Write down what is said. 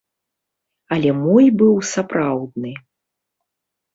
Але мой быў сапраўдны.